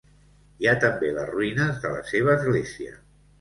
Hi ha també les ruïnes de la seva església.